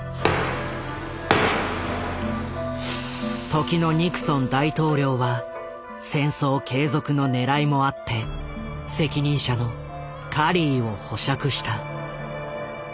時のニクソン大統領は戦争継続のねらいもあって責任者のカリーを保釈した。